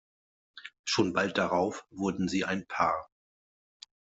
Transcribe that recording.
Schon bald darauf wurden sie ein Paar.